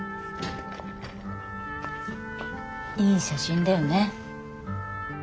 いい写真だよね。